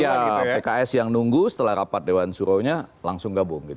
iya pks yang nunggu setelah rapat dewan suruhnya langsung gabung